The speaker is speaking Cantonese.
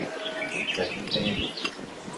檸啡